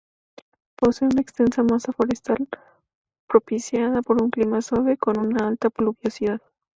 Posee una extensa masa forestal, propiciada por un clima suave con una alta pluviosidad.